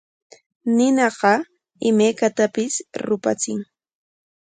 Ninaqam imaykatapis rupachin.